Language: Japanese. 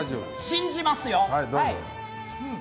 信じますよ！